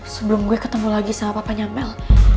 sebelum gue ketemu lagi sama papanya mel